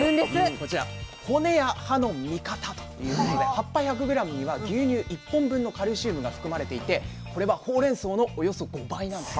こちら「骨や歯の味方！」ということで葉っぱ１００ｇには牛乳１本分のカルシウムが含まれていてこれはほうれんそうのおよそ５倍なんです。